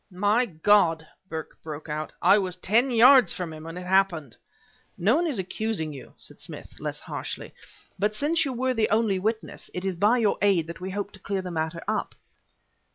"My God!" Burke broke out, "I was ten yards from him when it happened!" "No one is accusing you," said Smith, less harshly; "but since you were the only witness, it is by your aid that we hope to clear the matter up."